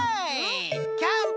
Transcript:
キャンプ